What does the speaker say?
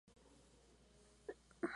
Y dura.